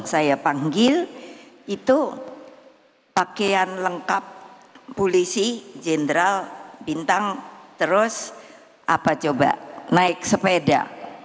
saya panggil itu pakaian lengkap polisi jenderal bintang terus apa coba naik sepeda